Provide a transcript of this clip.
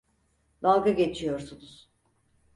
Dalga geçiyorsunuz.